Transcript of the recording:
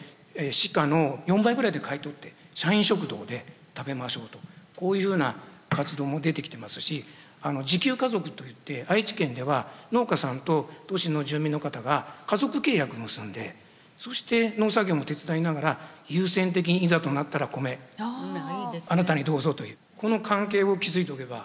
市価の４倍ぐらいで買い取って社員食堂で食べましょうとこういうふうな活動も出てきてますし自給家族といって愛知県では農家さんと都市の住民の方が家族契約結んでそして農作業も手伝いながら優先的にいざとなったらコメあなたにどうぞというこの関係を築いておけば。